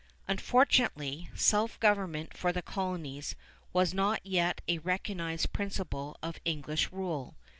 Unfortunately, self government for the colonies was not yet a recognized principle of English rule.